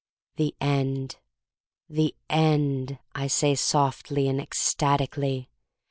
"The End, the End!" I say softly and ecstatically.